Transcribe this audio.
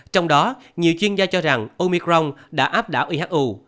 trong đó nhiều chuyên gia cho rằng omicron đã áp đảo iahu